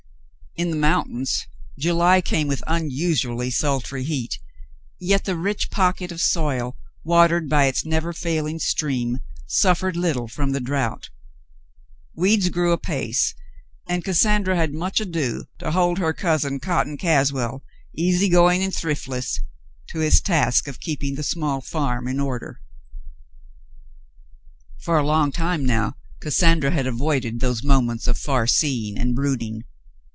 In the mountains, July came with unusually sultry heat, yet the rich pocket of soil, watered by its never failing stream, suffered little from the drought. AVeeds grew apace, and Cassandra had much ado to hold her cousin Cotton Caswell, easy going and thriftless, to his task of keeping the small farm in order. For a long time now, Cassandra had avoided those moments of far seeing and brooding.